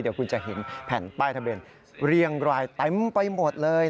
เดี๋ยวคุณจะเห็นแผ่นป้ายทะเบียนเรียงรายเต็มไปหมดเลย